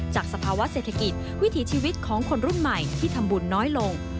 สภาวะเศรษฐกิจวิถีชีวิตของคนรุ่นใหม่ที่ทำบุญน้อยลง